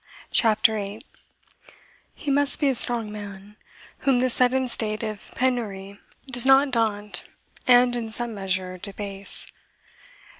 CHAPTER 8 He must be a strong man whom the sudden stare of Penury does not daunt and, in some measure, debase.